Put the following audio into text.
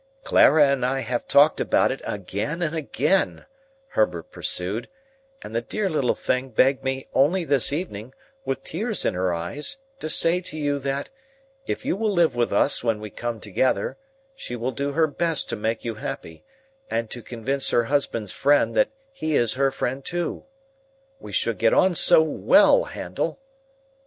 "Clara and I have talked about it again and again," Herbert pursued, "and the dear little thing begged me only this evening, with tears in her eyes, to say to you that, if you will live with us when we come together, she will do her best to make you happy, and to convince her husband's friend that he is her friend too. We should get on so well, Handel!"